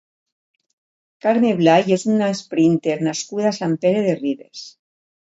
Carme Blay és una esprínter nascuda a Sant Pere de Ribes.